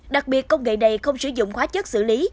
đặc biệt công nghệ này không sử dụng hóa chất xử lý